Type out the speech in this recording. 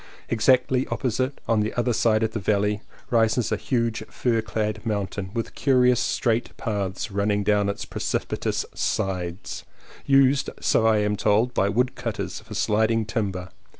Exactly op posite, on the other side of the valley, rises a huge fir clad mountain, with curious straight paths running down its precipitous sides, used, so I am told, by woodcutters for sliding timber.